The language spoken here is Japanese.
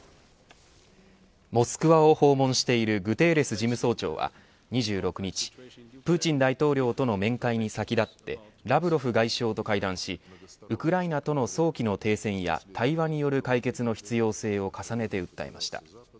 モスクワを訪問しているグテーレス事務総長は２６日、プーチン大統領との面会に先立ってラブロフ外相と会談しウクライナとの早期の停戦や対話による解決の必要性を重ねて訴えました。